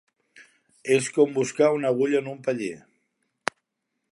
És com buscar una agulla en un paller.